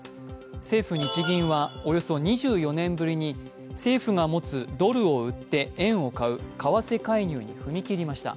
政府・日銀はおよそ２４年ぶりに政府が持つドルを売って円を買う為替介入に踏み切りました。